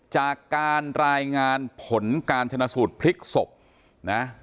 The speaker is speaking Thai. จากการรายงานผลการชนะสูตรพลิกศพนะ